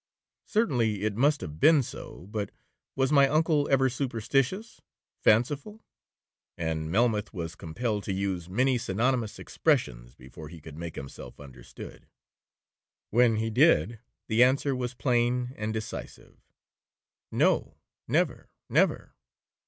'Certainly it must have been so; but, was my uncle ever superstitious, fanciful?'—and Melmoth was compelled to use many synonymous expressions, before he could make himself understood. When he did, the answer was plain and decisive, 'No, never, never.